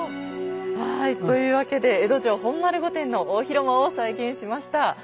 はいというわけで江戸城本丸御殿の大広間を再現しました。